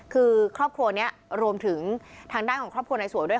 คือครอบครัวนี้รวมถึงทางด้านของครอบครัวนายสวยด้วย